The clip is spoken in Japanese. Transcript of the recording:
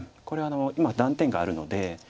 これは今断点があるので。